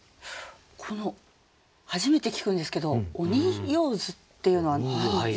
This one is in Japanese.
この初めて聞くんですけど「鬼揚子」っていうのは何でしょうか？